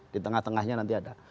di tengah tengahnya nanti ada